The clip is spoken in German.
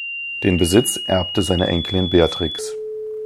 Den Besitz erbte seine Enkelin Beatrix.